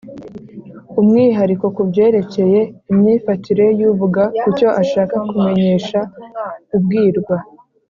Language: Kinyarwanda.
umwihariko ku byerekeye imyifatire y’uvuga ku cyo ashaka kumenyesha ubwirwa